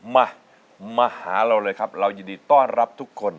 มามาหาเราเลยครับเรายินดีต้อนรับทุกคน